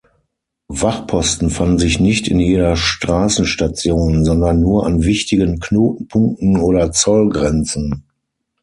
Wachposten fanden sich nicht in jeder Straßenstation, sondern nur an wichtigen Knotenpunkten oder Zollgrenzen.